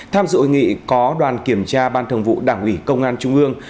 tham dự hội nghị có đoàn kiểm tra ban thường vụ đảng ủy công an trung ương